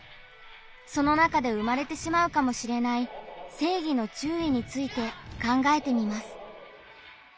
その中で生まれてしまうかもしれない「正義の注意」について考えてみます。